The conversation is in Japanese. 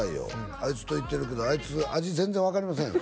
「あいつと行ってるけどあいつ味全然分かりませんよ」